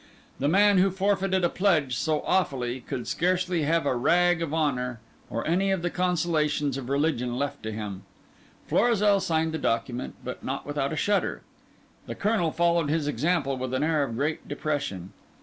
The man who forfeited a pledge so awful could scarcely have a rag of honour or any of the consolations of religion left to him. Florizel signed the document, but not without a shudder; the Colonel followed his example with an air of great depression.